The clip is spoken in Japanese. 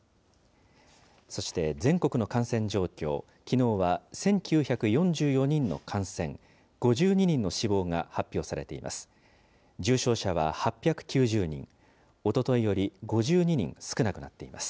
そして全国の感染状況、きのうは１９４４人の感染、５２人の死亡が発表されています。